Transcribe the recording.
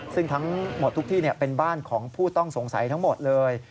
ซึ่งทั้งหมดทุกที่เป็นบ้านของผู้ต้องสงสัยทั้งหมดเลย